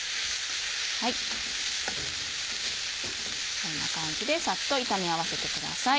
こんな感じでサッと炒め合わせてください。